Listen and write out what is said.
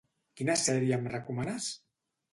Quina sèrie em recomanes?